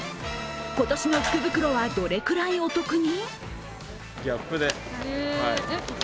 今年の福袋はどれくらいお得に？